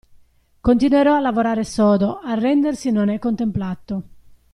Continuerò a lavorare sodo, arrendersi non è contemplato.